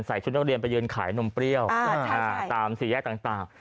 ชุดนักเรียนไปยืนขายนมเปรี้ยวตามสี่แยกต่าง